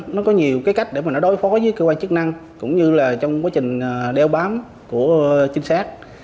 nó có nhiều cái cách để mà nó đối phó với cơ quan chức năng cũng như là trong quá trình đeo bám của chính xác